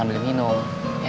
sampai jumpa di video selanjutnya